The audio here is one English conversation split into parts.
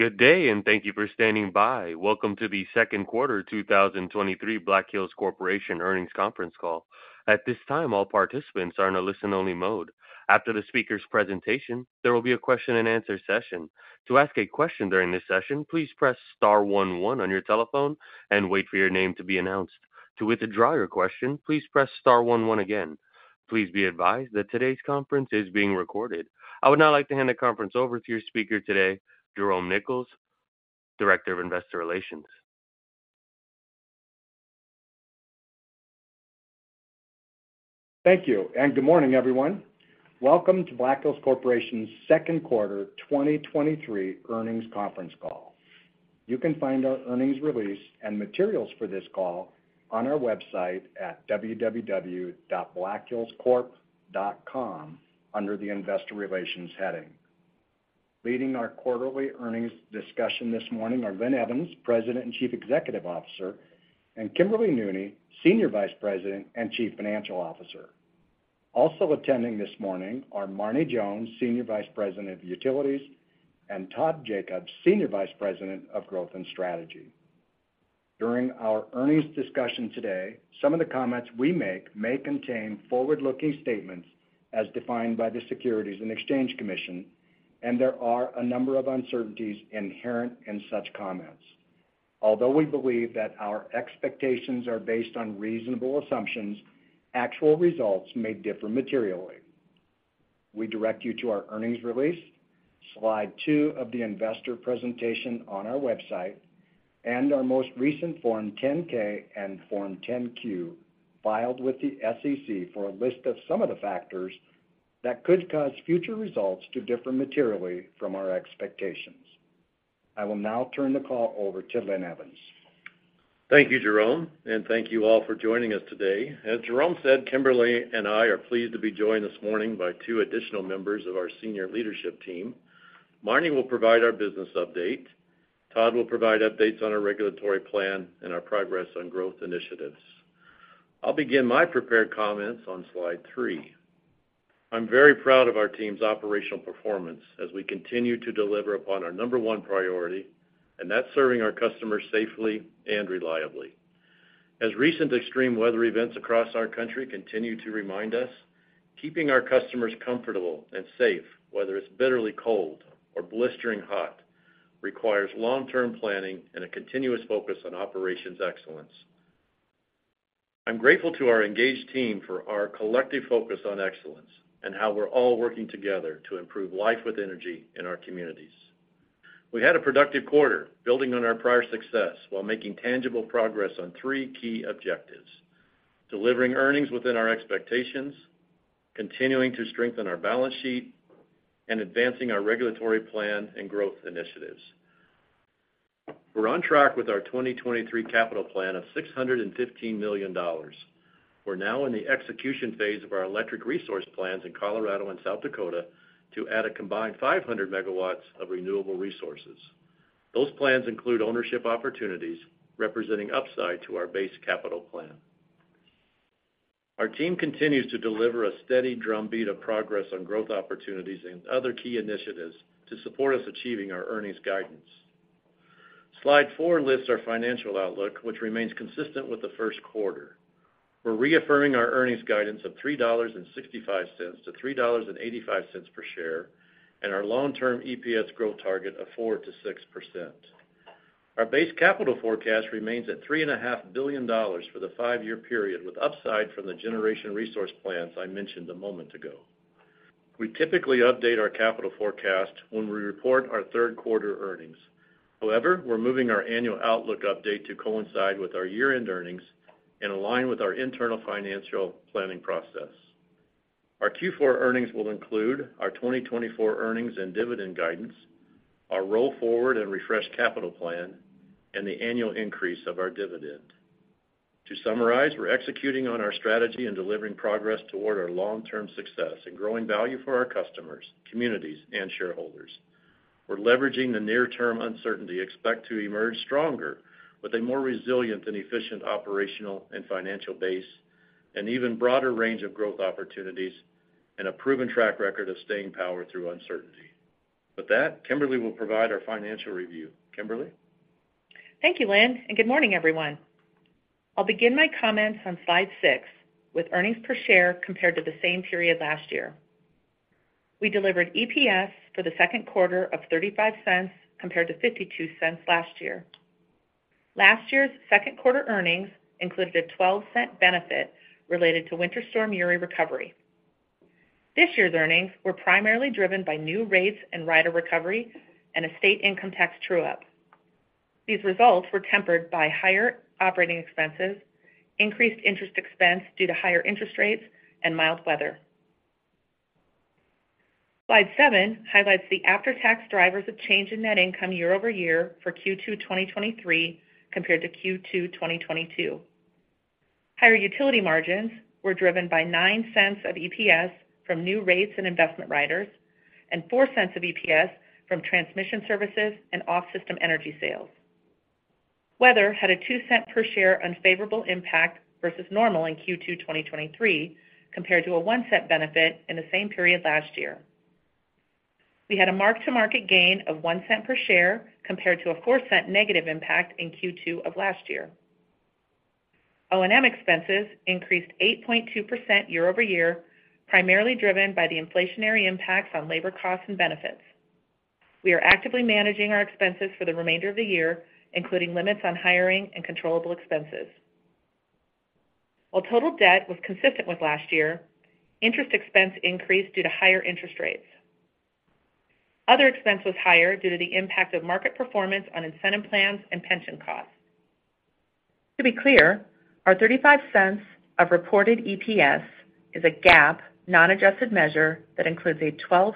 Good day. Thank you for standing by. Welcome to the second quarter 2023 Black Hills Corporation Earnings Conference Call. At this time, all participants are in a listen-only mode. After the speaker's presentation, there will be a question-and-answer session. To ask a question during this session, please press star one one on your telephone and wait for your name to be announced. To withdraw your question, please press star one one again. Please be advised that today's conference is being recorded. I would now like to hand the conference over to your speaker today, Jerome Nichols, Director of Investor Relations. Thank you, and good morning, everyone. Welcome to Black Hills Corporation's second quarter 2023 earnings conference call. You can find our earnings release and materials for this call on our website at www.blackhillscorp.com under the Investor Relations heading. Leading our quarterly earnings discussion this morning are Linn Evans, President and Chief Executive Officer, and Kimberly Nooney, Senior Vice President and Chief Financial Officer. Also attending this morning are Marne Jones, Senior Vice President of Utilities, and Todd Jacobs, Senior Vice President of Growth and Strategy. During our earnings discussion today, some of the comments we make may contain forward-looking statements as defined by the Securities and Exchange Commission, and there are a number of uncertainties inherent in such comments. Although we believe that our expectations are based on reasonable assumptions, actual results may differ materially. We direct you to our earnings release, slide 2 of the investor presentation on our website, and our most recent Form 10-K and Form 10-Q filed with the SEC for a list of some of the factors that could cause future results to differ materially from our expectations. I will now turn the call over to Linn Evans. Thank you, Jerome, and thank you all for joining us today. As Jerome said, Kimberly and I are pleased to be joined this morning by two additional members of our senior leadership team. Marne will provide our business update. Todd will provide updates on our regulatory plan and our progress on growth initiatives. I'll begin my prepared comments on slide 3. I'm very proud of our team's operational performance as we continue to deliver upon our number 1 priority, and that's serving our customers safely and reliably. As recent extreme weather events across our country continue to remind us, keeping our customers comfortable and safe, whether it's bitterly cold or blistering hot, requires long-term planning and a continuous focus on operations excellence. I'm grateful to our engaged team for our collective focus on excellence and how we're all working together to improve life with energy in our communities. We had a productive quarter, building on our prior success while making tangible progress on three key objectives: delivering earnings within our expectations, continuing to strengthen our balance sheet, and advancing our regulatory plan and growth initiatives. We're on track with our 2023 capital plan of $615 million. We're now in the execution phase of our electric resource plans in Colorado and South Dakota to add a combined 500 megawatts of renewable resources. Those plans include ownership opportunities, representing upside to our base capital plan. Our team continues to deliver a steady drumbeat of progress on growth opportunities and other key initiatives to support us achieving our earnings guidance. Slide 4 lists our financial outlook, which remains consistent with the first quarter. We're reaffirming our earnings guidance of $3.65 to $3.85 per share, and our long-term EPS growth target of 4%-6%. Our base capital forecast remains at $3.5 billion for the 5-year period, with upside from the generation resource plans I mentioned a moment ago. We typically update our capital forecast when we report our third quarter earnings. However, we're moving our annual outlook update to coincide with our year-end earnings and align with our internal financial planning process. Our Q4 earnings will include our 2024 earnings and dividend guidance, our roll-forward and refreshed capital plan, and the annual increase of our dividend. To summarize, we're executing on our strategy and delivering progress toward our long-term success and growing value for our customers, communities, and shareholders. We're leveraging the near-term uncertainty, expect to emerge stronger with a more resilient and efficient operational and financial base, an even broader range of growth opportunities, and a proven track record of staying power through uncertainty. With that, Kimberly will provide our financial review. Kimberly? Thank you, Linn, good morning, everyone. I'll begin my comments on slide 6 with earnings per share compared to the same period last year. We delivered EPS for the second quarter of $0.35, compared to $0.52 last year. Last year's second-quarter earnings included a $0.12 benefit related to Winter Storm Uri recovery. This year's earnings were primarily driven by new rates and rider recovery and a state income tax true-up. These results were tempered by higher operating expenses, increased interest expense due to higher interest rates, and mild weather. Slide 7 highlights the after-tax drivers of change in net income year-over-year for Q2 2023 compared to Q2 2022. Higher utility margins were driven by $0.09 of EPS from new rates and investment riders and $0.04 of EPS from transmission services and off-system energy sales. Weather had a $0.02 per share unfavorable impact versus normal in Q2 2023, compared to a $0.01 benefit in the same period last year. We had a mark-to-market gain of $0.01 per share, compared to a $0.04 negative impact in Q2 of last year. O&M expenses increased 8.2% year-over-year, primarily driven by the inflationary impacts on labor costs and benefits. We are actively managing our expenses for the remainder of the year, including limits on hiring and controllable expenses. While total debt was consistent with last year, interest expense increased due to higher interest rates. Other expense was higher due to the impact of market performance on incentive plans and pension costs. To be clear, our $0.35 of reported EPS is a GAAP non-adjusted measure that includes a $0.12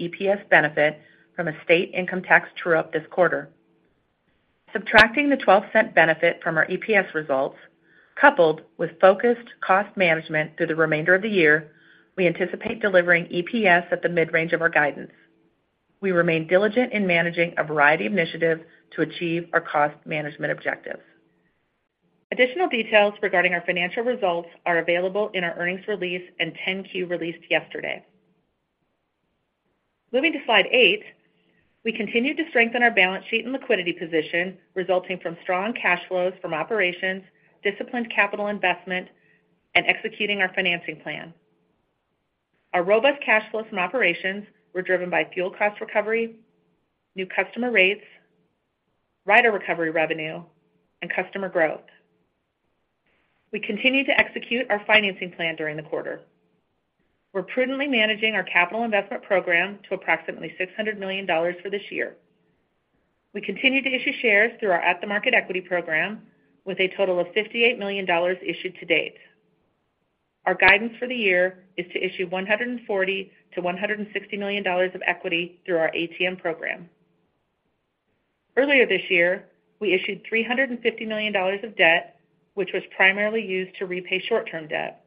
EPS benefit from a state income tax true-up this quarter. Subtracting the $0.12 benefit from our EPS results, coupled with focused cost management through the remainder of the year, we anticipate delivering EPS at the mid-range of our guidance. We remain diligent in managing a variety of initiatives to achieve our cost management objectives. Additional details regarding our financial results are available in our earnings release and 10-Q released yesterday. Moving to slide 8, we continued to strengthen our balance sheet and liquidity position, resulting from strong cash flows from operations, disciplined capital investment, and executing our financing plan. Our robust cash flows from operations were driven by fuel cost recovery, new customer rates, rider recovery revenue, and customer growth. We continued to execute our financing plan during the quarter. We're prudently managing our capital investment program to approximately $600 million for this year. We continue to issue shares through our at-the-market equity program, with a total of $58 million issued to date. Our guidance for the year is to issue $140 million-$160 million of equity through our ATM program. Earlier this year, we issued $350 million of debt, which was primarily used to repay short-term debt.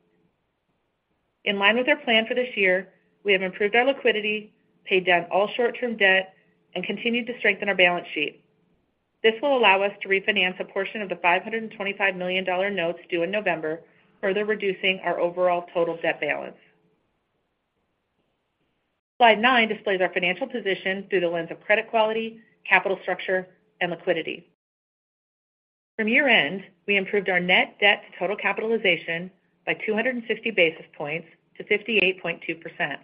In line with our plan for this year, we have improved our liquidity, paid down all short-term debt, and continued to strengthen our balance sheet. This will allow us to refinance a portion of the $525 million notes due in November, further reducing our overall total debt balance. Slide 9 displays our financial position through the lens of credit quality, capital structure, and liquidity. From year-end, we improved our net debt to total capitalization by 250 basis points to 58.2%.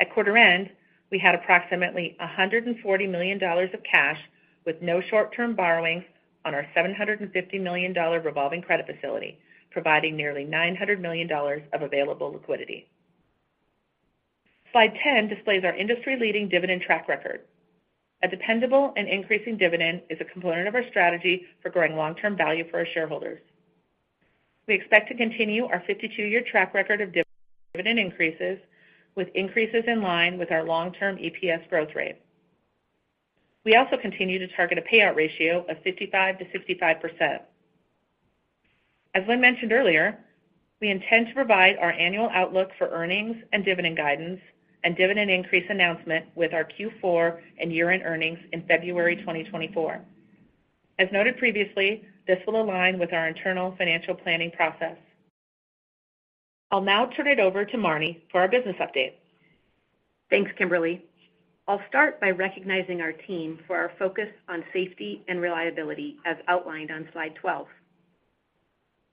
At quarter end, we had approximately $140 million of cash, with no short-term borrowings on our $750 million revolving credit facility, providing nearly $900 million of available liquidity. Slide 10 displays our industry-leading dividend track record. A dependable and increasing dividend is a component of our strategy for growing long-term value for our shareholders. We expect to continue our 52-year track record of dividend increases, with increases in line with our long-term EPS growth rate. We also continue to target a payout ratio of 55%-65%. As Linn mentioned earlier, we intend to provide our annual outlook for earnings and dividend guidance and dividend increase announcement with our Q4 and year-end earnings in February 2024. As noted previously, this will align with our internal financial planning process. I'll now turn it over to Marne for our business update. Thanks, Kimberly. I'll start by recognizing our team for our focus on safety and reliability, as outlined on slide 12.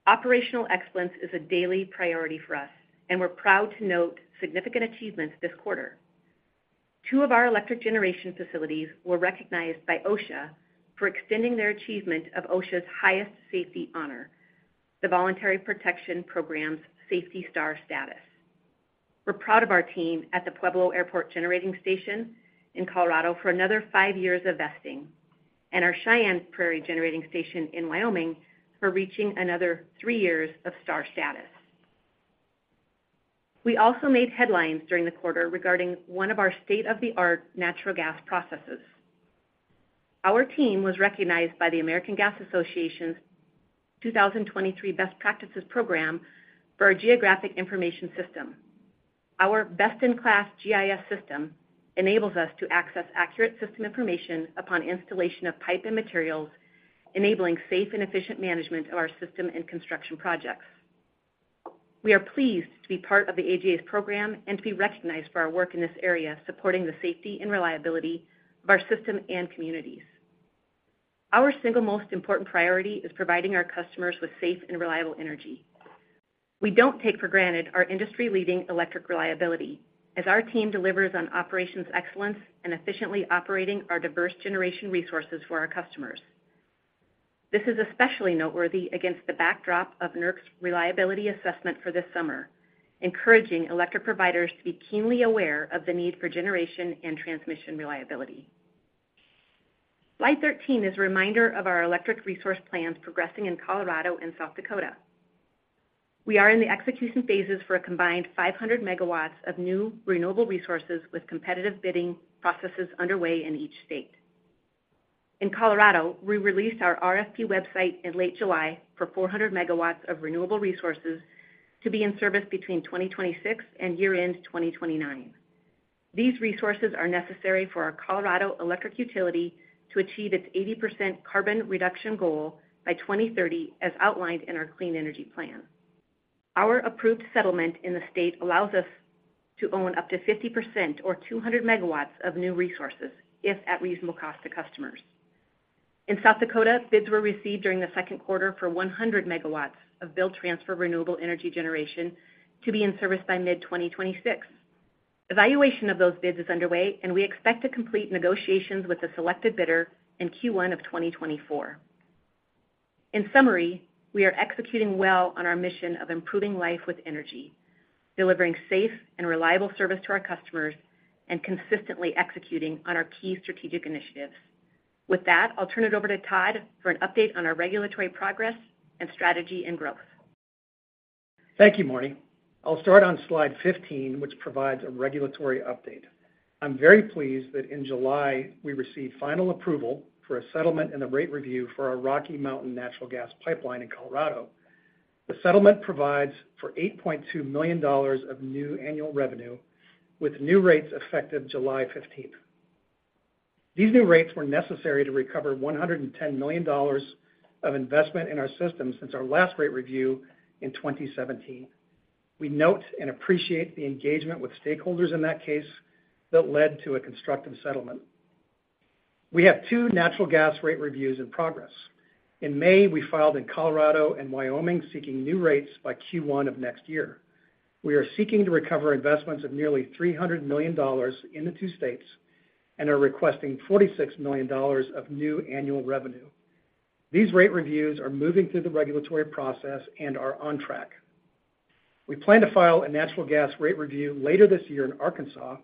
Operational excellence is a daily priority for us, and we're proud to note significant achievements this quarter. 2 of our electric generation facilities were recognized by OSHA for extending their achievement of OSHA's highest safety honor, the Voluntary Protection Program's Safety Star status. We're proud of our team at the Pueblo Airport Generating Station in Colorado for another 5 years of vesting, and our Cheyenne Prairie Generating Station in Wyoming for reaching another 3 years of Star status. We also made headlines during the quarter regarding one of our state-of-the-art natural gas processes. Our team was recognized by the American Gas Association's 2023 Best Practices Program for our Geographic Information System. Our best-in-class GIS system enables us to access accurate system information upon installation of pipe and materials, enabling safe and efficient management of our system and construction projects. We are pleased to be part of the AGA's program and to be recognized for our work in this area, supporting the safety and reliability of our system and communities. Our single most important priority is providing our customers with safe and reliable energy. We don't take for granted our industry-leading electric reliability, as our team delivers on operations excellence and efficiently operating our diverse generation resources for our customers. This is especially noteworthy against the backdrop of NERC's reliability assessment for this summer, encouraging electric providers to be keenly aware of the need for generation and transmission reliability. Slide 13 is a reminder of our electric resource plans progressing in Colorado and South Dakota. We are in the execution phases for a combined 500 megawatts of new renewable resources, with competitive bidding processes underway in each state. In Colorado, we released our RFP website in late July for 400 megawatts of renewable resources to be in service between 2026 and year-end 2029. These resources are necessary for our Colorado electric utility to achieve its 80% carbon reduction goal by 2030, as outlined in our Clean Energy Plan. Our approved settlement in the state allows us to own up to 50% or 200 megawatts of new resources, if at reasonable cost to customers. In South Dakota, bids were received during the second quarter for 100 megawatts of build-transfer renewable energy generation to be in service by mid-2026. Evaluation of those bids is underway, and we expect to complete negotiations with the selected bidder in Q1 of 2024. In summary, we are executing well on our mission of improving life with energy, delivering safe and reliable service to our customers, and consistently executing on our key strategic initiatives. With that, I'll turn it over to Todd for an update on our regulatory progress and strategy and growth. Thank you, Marne. I'll start on slide 15, which provides a regulatory update. I'm very pleased that in July, we received final approval for a settlement and a rate review for our Rocky Mountain Natural Gas Pipeline in Colorado. The settlement provides for $8.2 million of new annual revenue, with new rates effective July 15th. These new rates were necessary to recover $110 million of investment in our system since our last rate review in 2017. We note and appreciate the engagement with stakeholders in that case that led to a constructive settlement. We have 2 natural gas rate reviews in progress. In May, we filed in Colorado and Wyoming, seeking new rates by Q1 of next year. We are seeking to recover investments of nearly $300 million in the two states and are requesting $46 million of new annual revenue. These rate reviews are moving through the regulatory process and are on track. We plan to file a natural gas rate review later this year in Arkansas,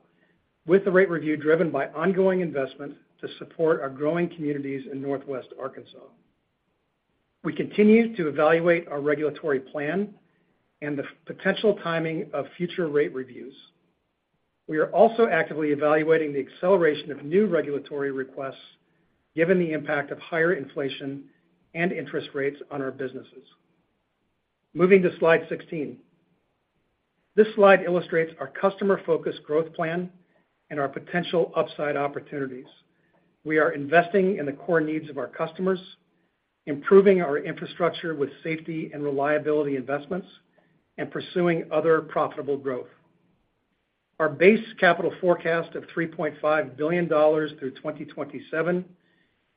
with the rate review driven by ongoing investment to support our growing communities in Northwest Arkansas. We continue to evaluate our regulatory plan and the potential timing of future rate reviews. We are also actively evaluating the acceleration of new regulatory requests, given the impact of higher inflation and interest rates on our businesses. Moving to slide 16. This slide illustrates our customer-focused growth plan and our potential upside opportunities. We are investing in the core needs of our customers, improving our infrastructure with safety and reliability investments, and pursuing other profitable growth. Our base capital forecast of $3.5 billion through 2027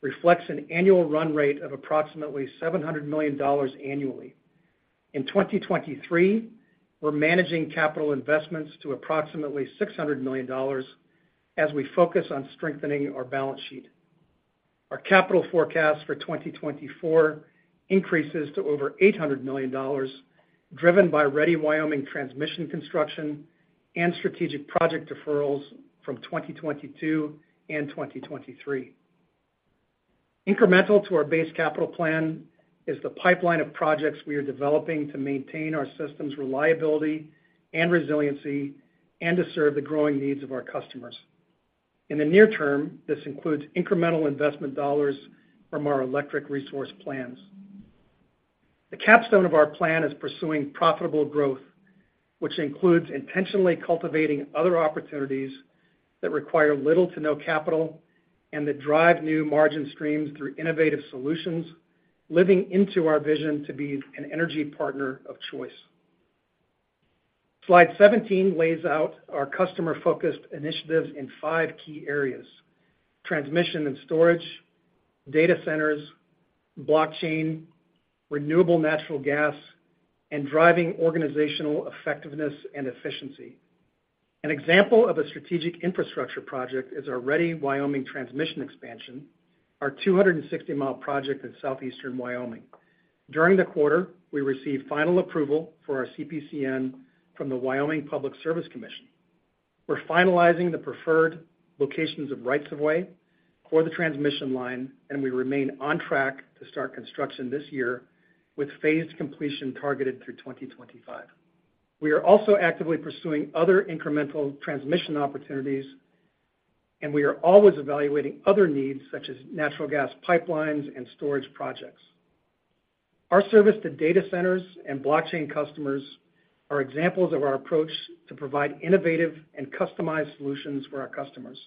reflects an annual run rate of approximately $700 million annually. In 2023, we're managing capital investments to approximately $600 million as we focus on strengthening our balance sheet. Our capital forecast for 2024 increases to over $800 million, driven by Ready Wyoming transmission construction and strategic project deferrals from 2022 and 2023. Incremental to our base capital plan is the pipeline of projects we are developing to maintain our system's reliability and resiliency and to serve the growing needs of our customers. In the near term, this includes incremental investment dollars from our electric resource plans. The capstone of our plan is pursuing profitable growth, which includes intentionally cultivating other opportunities that require little to no capital and that drive new margin streams through innovative solutions, living into our vision to be an energy partner of choice. Slide 17 lays out our customer-focused initiatives in five key areas: transmission and storage, data centers, blockchain, renewable natural gas, and driving organizational effectiveness and efficiency. An example of a strategic infrastructure project is our Ready Wyoming transmission expansion, our 260-mile project in southeastern Wyoming. During the quarter, we received final approval for our CPCN from the Wyoming Public Service Commission. We're finalizing the preferred locations of rights of way for the transmission line, and we remain on track to start construction this year, with phased completion targeted through 2025. We are also actively pursuing other incremental transmission opportunities. We are always evaluating other needs, such as natural gas pipelines and storage projects. Our service to data centers and blockchain customers are examples of our approach to provide innovative and customized solutions for our customers.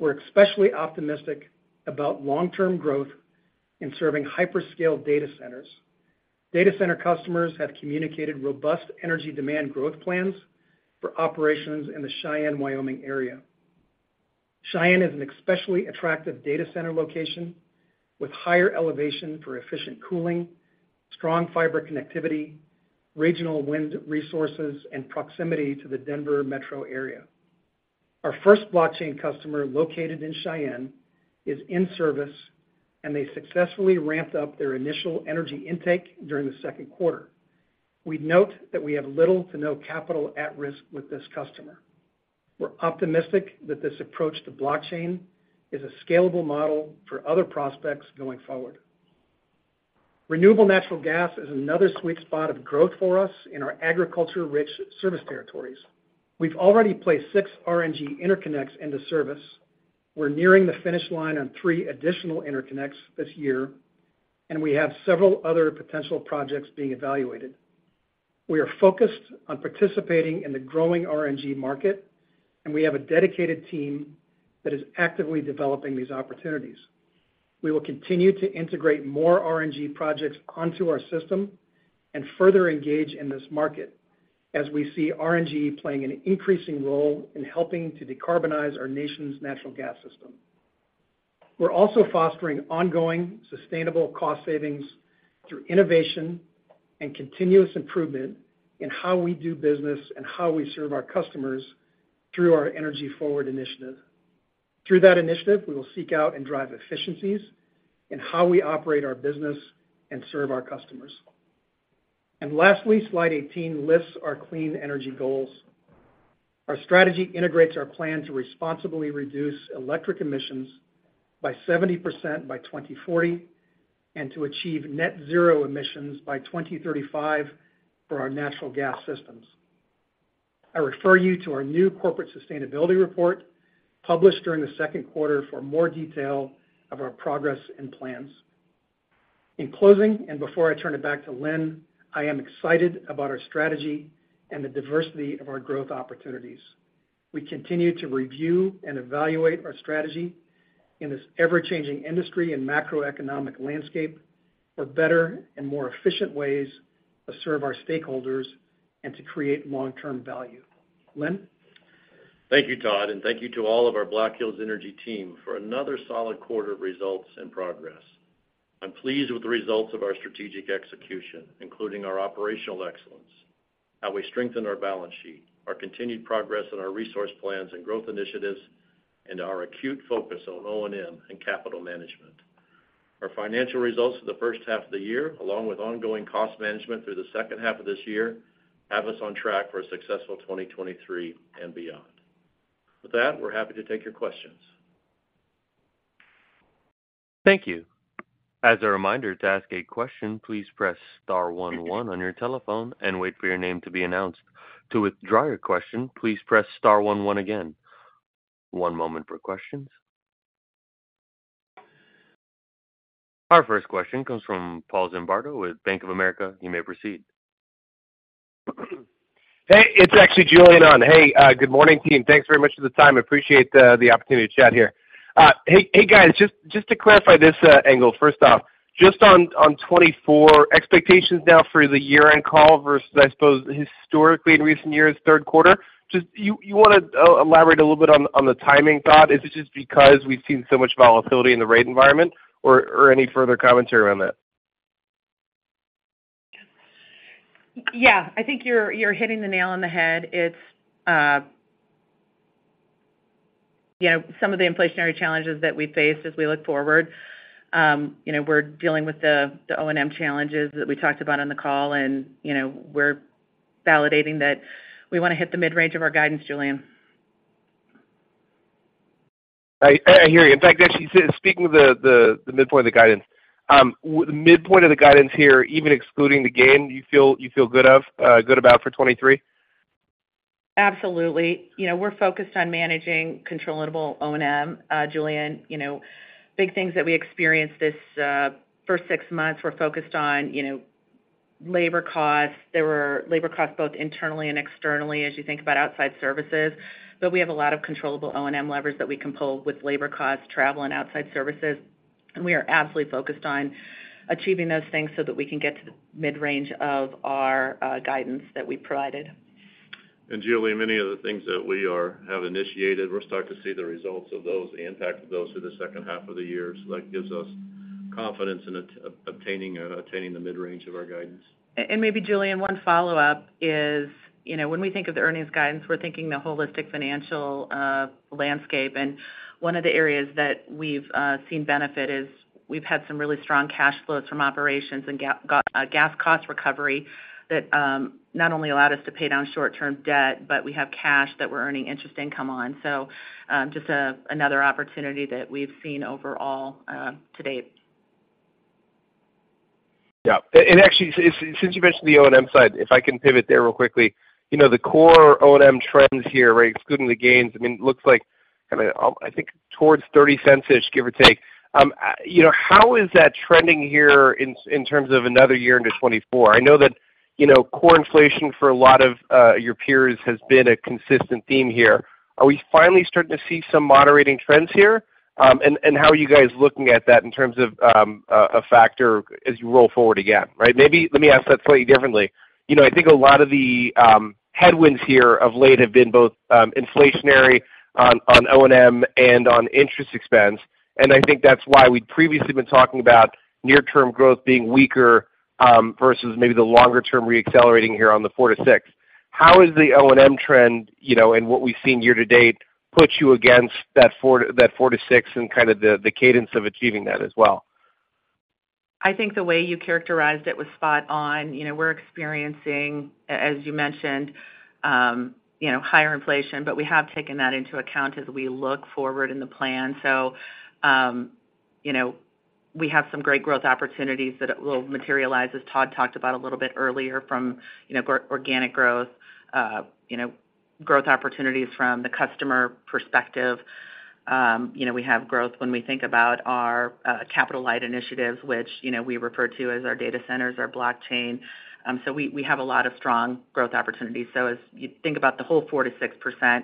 We're especially optimistic about long-term growth in serving hyperscale data centers. Data center customers have communicated robust energy demand growth plans for operations in the Cheyenne, Wyoming area. Cheyenne is an especially attractive data center location, with higher elevation for efficient cooling, strong fiber connectivity, regional wind resources, and proximity to the Denver metro area. Our first blockchain customer, located in Cheyenne, is in service. They successfully ramped up their initial energy intake during the second quarter. We'd note that we have little to no capital at risk with this customer. We're optimistic that this approach to blockchain is a scalable model for other prospects going forward. Renewable natural gas is another sweet spot of growth for us in our agriculture-rich service territories. We've already placed 6 RNG interconnects into service. We're nearing the finish line on 3 additional interconnects this year, and we have several other potential projects being evaluated. We are focused on participating in the growing RNG market, and we have a dedicated team that is actively developing these opportunities. We will continue to integrate more RNG projects onto our system and further engage in this market as we see RNG playing an increasing role in helping to decarbonize our nation's natural gas system. We're also fostering ongoing, sustainable cost savings through innovation and continuous improvement in how we do business and how we serve our customers through our Energy Forward initiative. Through that initiative, we will seek out and drive efficiencies in how we operate our business and serve our customers. Lastly, slide 18 lists our clean energy goals. Our strategy integrates our plan to responsibly reduce electric emissions by 70% by 2040, and to achieve net zero emissions by 2035 for our natural gas systems. I refer you to our new corporate sustainability report, published during the second quarter, for more detail of our progress and plans. In closing, before I turn it back to Linn, I am excited about our strategy and the diversity of our growth opportunities. We continue to review and evaluate our strategy in this ever-changing industry and macroeconomic landscape for better and more efficient ways to serve our stakeholders and to create long-term value. Linn? Thank you, Todd, and thank you to all of our Black Hills Energy team for another solid quarter of results and progress. I'm pleased with the results of our strategic execution, including our operational excellence, how we strengthen our balance sheet, our continued progress in our resource plans and growth initiatives, and our acute focus on O&M and capital management. Our financial results for the first half of the year, along with ongoing cost management through the second half of this year, have us on track for a successful 2023 and beyond. With that, we're happy to take your questions. Thank you. As a reminder, to ask a question, please press star one one on your telephone and wait for your name to be announced. To withdraw your question, please press star one one again. One moment for questions. Our first question comes from Paul Zimbardo with Bank of America. You may proceed. Hey, it's actually Julian on. Hey, good morning, team. Thanks very much for the time. I appreciate the opportunity to chat here. Hey, hey, guys, just, just to clarify this angle, first off, just on, on 2024, expectations now for the year-end call versus, I suppose, historically in recent years, third quarter. Just you, you wanna elaborate a little bit on, on the timing, Todd? Is it just because we've seen so much volatility in the rate environment or, or any further commentary on that? Yeah, I think you're, you're hitting the nail on the head. It's, you know, some of the inflationary challenges that we face as we look forward. You know, we're dealing with the, the O&M challenges that we talked about on the call, and, you know, we're validating that we want to hit the mid-range of our guidance, Julian. I, I hear you. In fact, actually, speaking of the midpoint of the guidance, the midpoint of the guidance here, even excluding the gain, do you feel good about for 2023? Absolutely. You know, we're focused on managing controllable O&M, Julian. You know, big things that we experienced this, first six months were focused on, you know, labor costs. There were labor costs both internally and externally, as you think about outside services. We have a lot of controllable O&M levers that we can pull with labor costs, travel, and outside services. We are absolutely focused on achieving those things so that we can get to the mid-range of our guidance that we provided. Julian, many of the things that we have initiated, we're starting to see the results of those, the impact of those through the second half of the year. That gives us confidence in obtaining, attaining the mid-range of our guidance. Maybe Julian, one follow-up is, you know, when we think of the earnings guidance, we're thinking the holistic financial landscape. One of the areas that we've seen benefit is we've had some really strong cash flows from operations and gas cost recovery that not only allowed us to pay down short-term debt, but we have cash that we're earning interest income on. Just another opportunity that we've seen overall to date. Yeah. Actually, since you mentioned the O&M side, if I can pivot there real quickly. You know, the core O&M trends here, right, excluding the gains, I mean, it looks like, I mean, I think towards $0.30-ish, give or take. You know, how is that trending here in, in terms of another year into 2024? I know that, you know, core inflation for a lot of your peers has been a consistent theme here. Are we finally starting to see some moderating trends here? How are you guys looking at that in terms of a factor as you roll forward again, right? Maybe let me ask that slightly differently. You know, I think a lot of the headwinds here of late have been both inflationary on, on O&M and on interest expense. I think that's why we'd previously been talking about near-term growth being weaker, versus maybe the longer-term reaccelerating here on the 4%-6%. How is the O&M trend, you know, and what we've seen year-to-date, put you against that 4% to 6% and kind of the, the cadence of achieving that as well? I think the way you characterized it was spot on. You know, we're experiencing, as you mentioned, you know, higher inflation, but we have taken that into account as we look forward in the plan. We have some great growth opportunities that will materialize, as Todd talked about a little bit earlier, from, you know, organic growth, you know, growth opportunities from the customer perspective. You know, we have growth when we think about our capital light initiatives, which, you know, we refer to as our data centers, our blockchain. We, we have a lot of strong growth opportunities. As you think about the whole 4%-6%,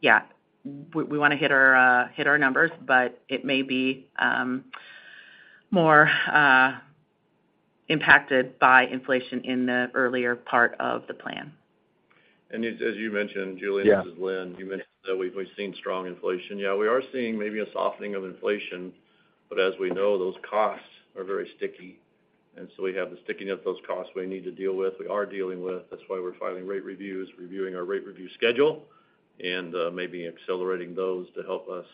yeah, we, we want to hit our hit our numbers, but it may be more impacted by inflation in the earlier part of the plan. as, as you mentioned, Julian, Yeah. This is Linn. You mentioned that we've, we've seen strong inflation. Yeah, we are seeing maybe a softening of inflation, as we know, those costs are very sticky. We have the stickiness of those costs we need to deal with. We are dealing with. That's why we're filing rate reviews, reviewing our rate review schedule, maybe accelerating those to help us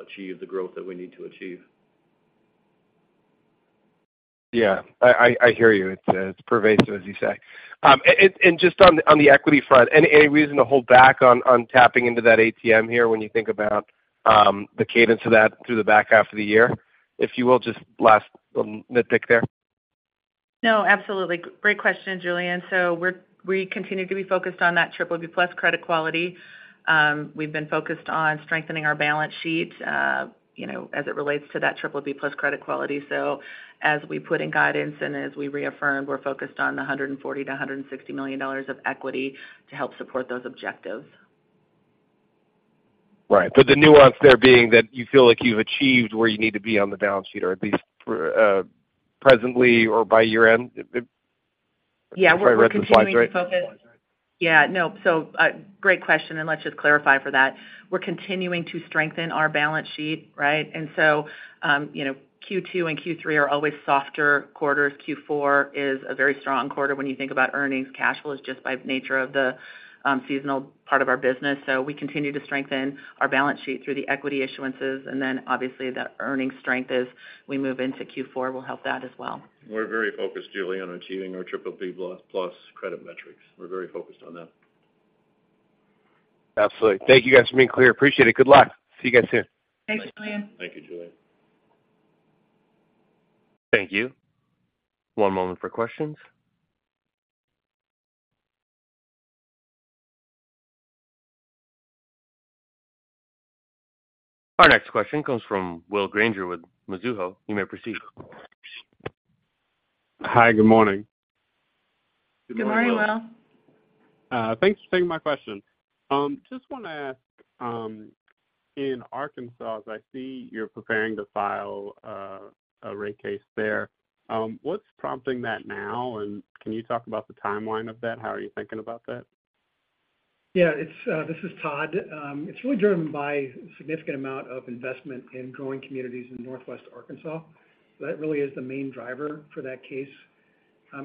achieve the growth that we need to achieve. Yeah. I, I, I hear you. It's, it's pervasive, as you say. And just on, on the equity front, any, any reason to hold back on, on tapping into that ATM here when you think about, the cadence of that through the back half of the year? If you will, just last little nitpick there. No, absolutely. Great question, Julian. We continue to be focused on that BBB+ credit quality. We've been focused on strengthening our balance sheet, you know, as it relates to that BBB+ credit quality. As we put in guidance and as we reaffirmed, we're focused on the $140 million-$160 million of equity to help support those objectives. Right. The nuance there being that you feel like you've achieved where you need to be on the balance sheet, or at least for, presently or by year-end? Yeah. If I read the slides right. We're continuing to focus. Yeah, no. Great question, and let's just clarify for that. We're continuing to strengthen our balance sheet, right? You know, Q2 and Q3 are always softer quarters. Q4 is a very strong quarter when you think about earnings. Cash flow is just by nature of the seasonal part of our business. We continue to strengthen our balance sheet through the equity issuances, obviously, that earnings strength as we move into Q4 will help that as well. We're very focused, Julian, on achieving our BBB+ credit metrics. We're very focused on that. Absolutely. Thank you guys for being clear. Appreciate it. Good luck. See you guys soon. Thanks, Julian. Thank you, Julian. Thank you. One moment for questions. Our next question comes from Will Granger with Mizuho. You may proceed. Hi, good morning. Good morning, Will. Good morning, Will. Thanks for taking my question. Just want to ask, in Arkansas, I see you're preparing to file a rate case there. What's prompting that now? Can you talk about the timeline of that? How are you thinking about that? Yeah, it's this is Todd. It's really driven by a significant amount of investment in growing communities in Northwest Arkansas. That really is the main driver for that case.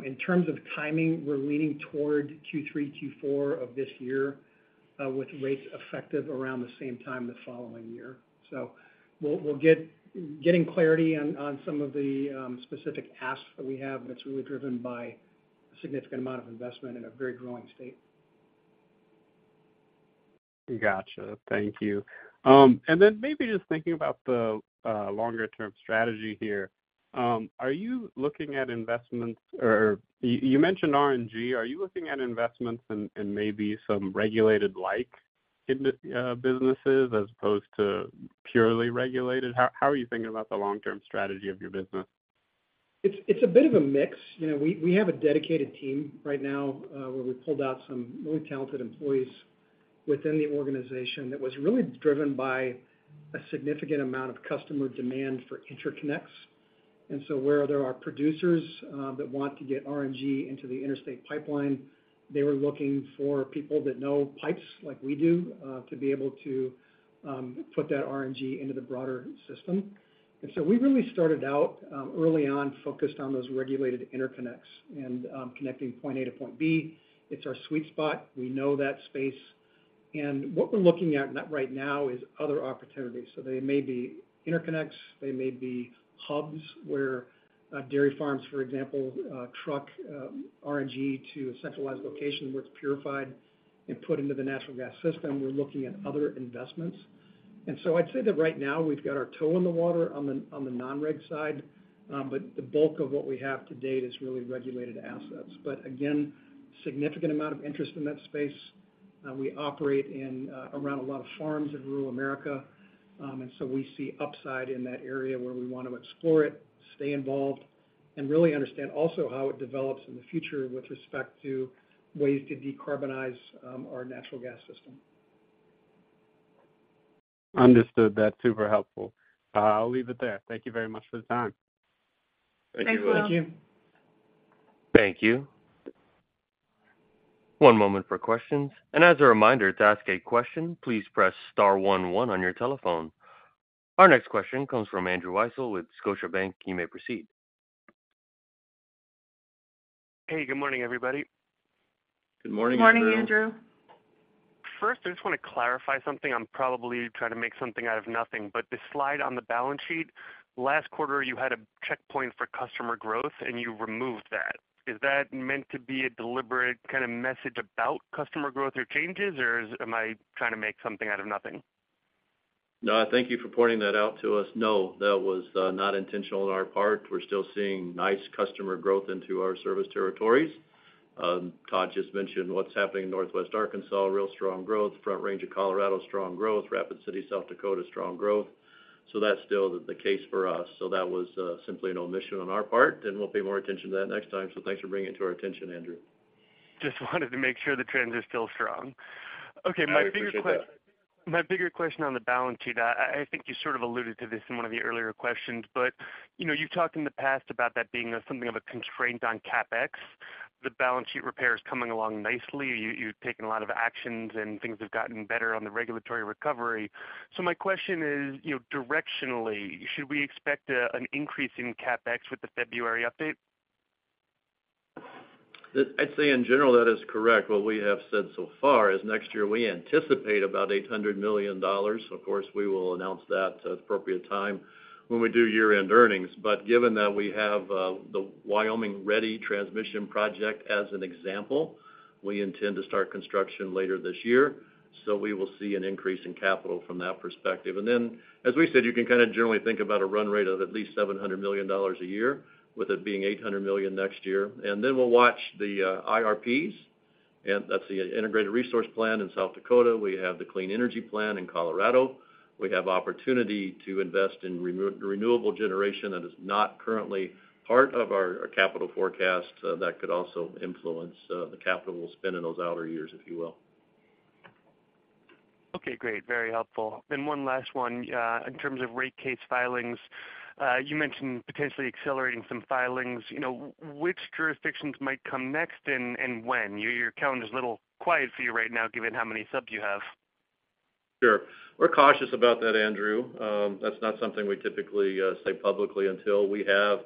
In terms of timing, we're leaning toward Q3, Q4 of this year, with rates effective around the same time the following year. We'll get getting clarity on some of the specific asks that we have, but it's really driven by a significant amount of investment in a very growing state. Gotcha. Thank you. Maybe just thinking about the longer-term strategy here, are you looking at investments or-- you, you mentioned RNG. Are you looking at investments and, and maybe some regulated like in businesses as opposed to purely regulated? How, how are you thinking about the long-term strategy of your business? It's, it's a bit of a mix. You know, we, we have a dedicated team right now, where we pulled out some really talented employees within the organization that was really driven by a significant amount of customer demand for interconnects. Where there are producers, that want to get RNG into the interstate pipeline, they were looking for people that know pipes like we do, to be able to put that RNG into the broader system. We really started out, early on, focused on those regulated interconnects and, connecting point A to point B. It's our sweet spot. We know that space. What we're looking at right now is other opportunities. They may be interconnects, they may be hubs, where dairy farms, for example, truck RNG to a centralized location where it's purified and put into the natural gas system. We're looking at other investments. I'd say that right now we've got our toe in the water on the non-reg side, but the bulk of what we have to date is really regulated assets. Again, significant amount of interest in that space. We operate in around a lot of farms in rural America, and so we see upside in that area where we want to explore it, stay involved, and really understand also how it develops in the future with respect to ways to decarbonize our natural gas system. Understood. That's super helpful. I'll leave it there. Thank you very much for the time. Thank you, Will. Thanks, Will. Thank you. Thank you. One moment for questions. As a reminder, to ask a question, please press star one one on your telephone. Our next question comes from Andrew Weisel with Scotiabank. You may proceed. Hey, good morning, everybody. Good morning, Andrew. Good morning, Andrew. First, I just want to clarify something. I'm probably trying to make something out of nothing, but the slide on the balance sheet, last quarter, you had a checkpoint for customer growth, and you removed that. Is that meant to be a deliberate kind of message about customer growth or changes, or am I trying to make something out of nothing? Thank you for pointing that out to us. That was not intentional on our part. We're still seeing nice customer growth into our service territories. Todd just mentioned what's happening in Northwest Arkansas, real strong growth, Front Range of Colorado, strong growth, Rapid City, South Dakota, strong growth. That's still the case for us. That was simply an omission on our part, and we'll pay more attention to that next time. Thanks for bringing it to our attention, Andrew. Just wanted to make sure the trends are still strong. Okay, my bigger- I appreciate that. My bigger question on the balance sheet, I, I think you sort of alluded to this in one of the earlier questions, but, you know, you've talked in the past about that being something of a constraint on CapEx. The balance sheet repair is coming along nicely. You, you've taken a lot of actions, and things have gotten better on the regulatory recovery. My question is, you know, directionally, should we expect an increase in CapEx with the February update? I'd say in general, that is correct. What we have said so far is next year, we anticipate about $800 million. Of course, we will announce that at the appropriate time when we do year-end earnings. Given that we have the Ready Wyoming Transmission project, as an example, we intend to start construction later this year, we will see an increase in capital from that perspective. Then, as we said, you can kind of generally think about a run rate of at least $700 million a year, with it being $800 million next year. Then we'll watch the IRPs, and that's the Integrated Resource Plan in South Dakota. We have the Clean Energy Plan in Colorado. We have opportunity to invest in renewable generation that is not currently part of our capital forecast. That could also influence the capital we'll spend in those outer years, if you will. Okay, great. Very helpful. One last one. In terms of rate case filings, you mentioned potentially accelerating some filings. You know, which jurisdictions might come next, and when? Your calendar is a little quiet for you right now, given how many subs you have. Sure. We're cautious about that, Andrew. That's not something we typically say publicly until we have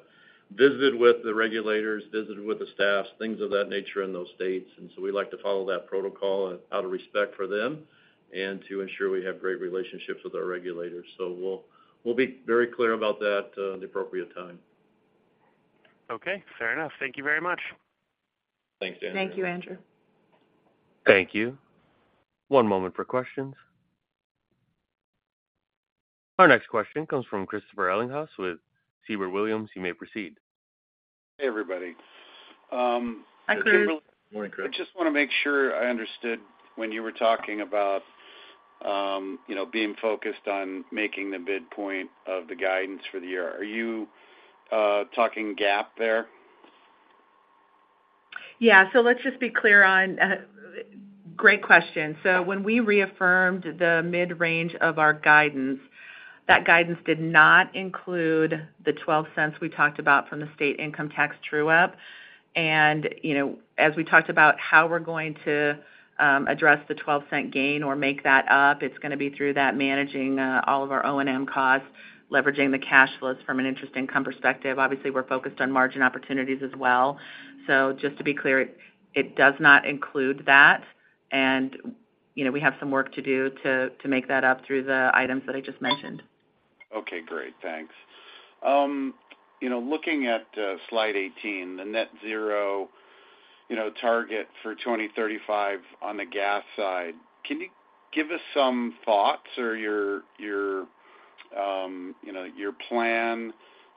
visited with the regulators, visited with the staffs, things of that nature in those states. We like to follow that protocol out of respect for them and to ensure we have great relationships with our regulators. We'll, we'll be very clear about that in the appropriate time. Okay, fair enough. Thank you very much. Thanks, Andrew. Thank you, Andrew. Thank you. One moment for questions. Our next question comes from Christopher Ellinghaus with Siebert Williams. You may proceed. Hey, everybody. Hi, Chris. Morning, Chris. I just want to make sure I understood when you were talking about, you know, being focused on making the bid point of the guidance for the year. Are you talking GAAP there? Yeah. Let's just be clear on. Great question. When we reaffirmed the mid-range of our guidance, that guidance did not include the $0.12 we talked about from the state income tax true-up. you know, as we talked about how we're going to address the $0.12 gain or make that up, it's going to be through that managing all of our O&M costs, leveraging the cash flows from an interest income perspective. Obviously, we're focused on margin opportunities as well. Just to be clear, it does not include that, and, you know, we have some work to do to make that up through the items that I just mentioned. Okay, great. Thanks. You know, looking at slide 18, the net zero, you know, target for 2035 on the gas side, can you give us some thoughts or your, your, you know, your plan,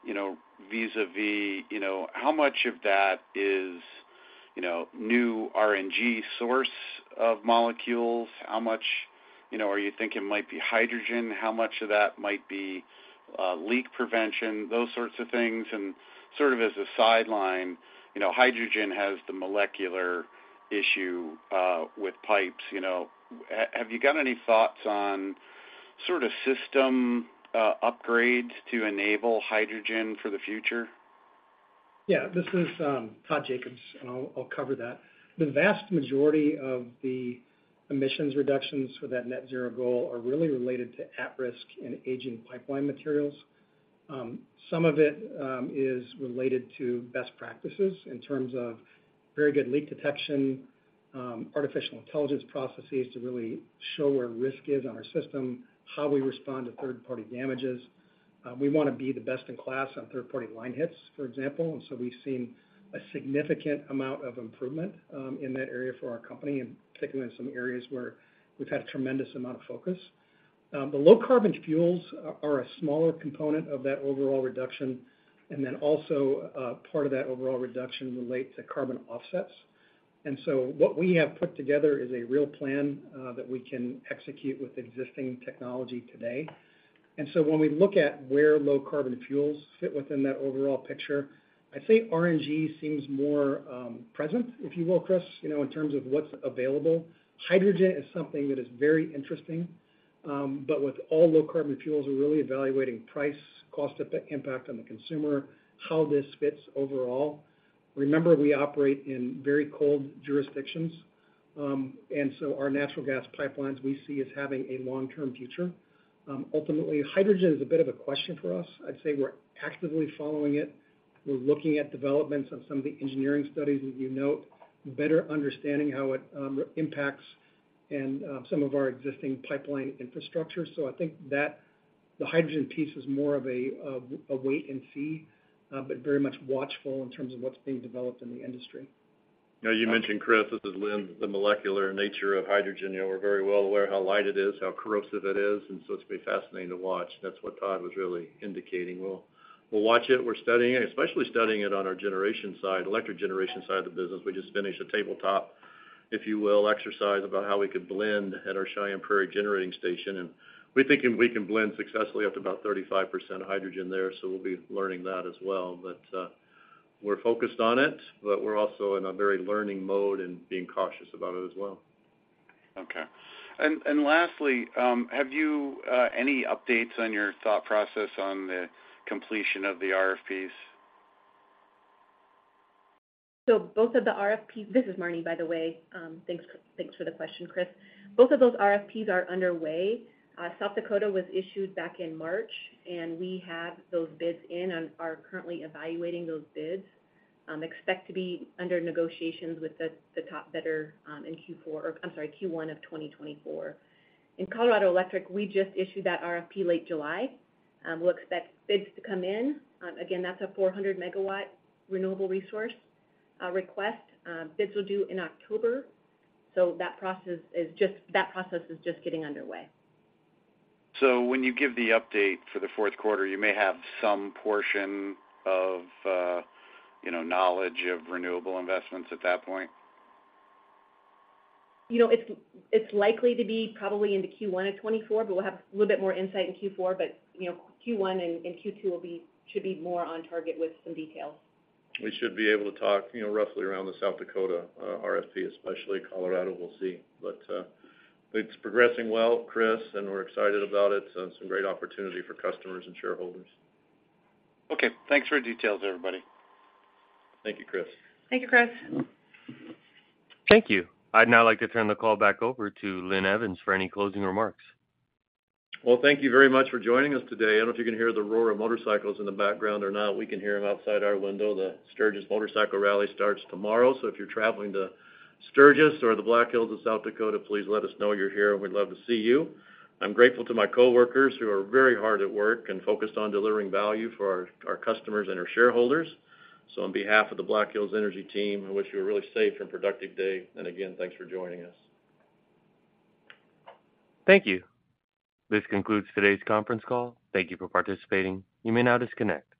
you know, vis-a-vis, you know, how much of that is, you know, new RNG source of molecules? How much, you know, are you thinking might be hydrogen? How much of that might be leak prevention, those sorts of things? Sort of as a sideline, you know, hydrogen has the molecular issue, with pipes, you know. Have you got any thoughts on sort of system, upgrades to enable hydrogen for the future? Yeah, this is Todd Jacobs, and I'll cover that. The vast majority of the emissions reductions for that net zero goal are really related to at-risk and aging pipeline materials. Some of it is related to best practices in terms of very good leak detection, artificial intelligence processes to really show where risk is on our system, how we respond to third-party damages. We want to be the best in class on third-party line hits, for example, so we've seen a significant amount of improvement in that area for our company, and particularly in some areas where we've had a tremendous amount of focus. The low-carbon fuels are a smaller component of that overall reduction, and then also, part of that overall reduction relates to carbon offsets. What we have put together is a real plan that we can execute with existing technology today. When we look at where low-carbon fuels fit within that overall picture, I'd say RNG seems more present, if you will, Chris, you know, in terms of what's available. Hydrogen is something that is very interesting, but with all low-carbon fuels, we're really evaluating price, cost impact on the consumer, how this fits overall. Remember, we operate in very cold jurisdictions, our natural gas pipelines we see as having a long-term future. Ultimately, hydrogen is a bit of a question for us. I'd say we're actively following it. We're looking at developments on some of the engineering studies, as you note, better understanding how it impacts and some of our existing pipeline infrastructure. I think that the hydrogen piece is more of a, a wait and see, but very much watchful in terms of what's being developed in the industry. You mentioned, Chris, this is Linn, the molecular nature of hydrogen. You know, we're very well aware how light it is, how corrosive it is, it's going to be fascinating to watch. That's what Todd was really indicating. We'll watch it. We're studying it, especially studying it on our generation side, electric generation side of the business. We just finished a tabletop, if you will, exercise about how we could blend at our Cheyenne Prairie Generating Station. We think if we can blend successfully up to about 35% hydrogen there, we'll be learning that as well. We're focused on it, we're also in a very learning mode and being cautious about it as well. Okay. And lastly, have you any updates on your thought process on the completion of the RFPs? Both of the RFPs-- This is Marne, by the way. Thanks, thanks for the question, Chris. Both of those RFPs are underway. South Dakota was issued back in March, and we have those bids in and are currently evaluating those bids. Expect to be under negotiations with the, the top bidder, in Q4, or I'm sorry, Q1 of 2024. In Colorado Electric, we just issued that RFP late July. We'll expect bids to come in. Again, that's a 400 megawatt renewable resource request. Bids will do in October, so that process is just-- that process is just getting underway. When you give the update for the fourth quarter, you may have some portion of, you know, knowledge of renewable investments at that point? You know, it's, it's likely to be probably into Q1 of 2024, but we'll have a little bit more insight in Q4. You know, Q1 and, and Q2 should be more on target with some details. We should be able to talk, you know, roughly around the South Dakota RFP, especially Colorado, we'll see. It's progressing well, Chris, and we're excited about it, so some great opportunity for customers and shareholders. Okay. Thanks for your details, everybody. Thank you, Chris. Thank you, Chris. Thank you. I'd now like to turn the call back over to Linn Evans for any closing remarks. Well, thank you very much for joining us today. I don't know if you can hear the roar of motorcycles in the background or not. We can hear them outside our window. The Sturgis Motorcycle Rally starts tomorrow, so if you're traveling to Sturgis or the Black Hills of South Dakota, please let us know you're here, and we'd love to see you. I'm grateful to my coworkers, who are very hard at work and focused on delivering value for our, our customers and our shareholders. On behalf of the Black Hills Energy team, I wish you a really safe and productive day. Again, thanks for joining us. Thank you. This concludes today's conference call. Thank you for participating. You may now disconnect.